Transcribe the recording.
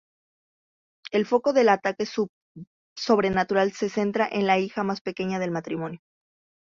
El foco del ataque sobrenatural se centra en la hija más pequeña del matrimonio.